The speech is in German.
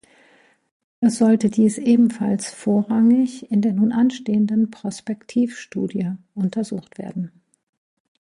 Es sollte dies ebenfalls vorrangig in der nun anstehenden Prospektivstudie untersucht werden.